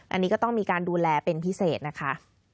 อันนี้ก็ต้องมีการดูแลเป็นพิเศษนะคะ